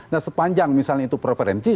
nah sepanjang itu preferensi